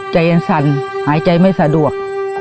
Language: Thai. ใจยังสั่นหายใจไม่สะดวก